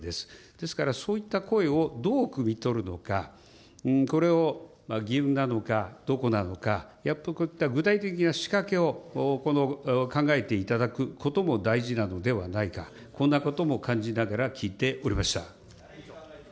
ですからそういった声をどうくみ取るのか、これを議運なのかどこなのか、具体的な仕掛けを考えていただくことも大事なのではないか、こんなことも感じながら聞いておりました。